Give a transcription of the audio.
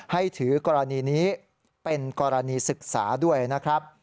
ให้ถือกรณีนี้เป็นกรณีศึกษาด้วยนะครับ